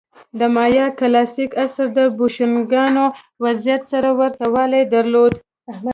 د مایا کلاسیک عصر د بوشونګانو وضعیت سره ورته والی درلود.